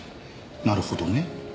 なるほどね。